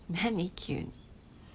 急に。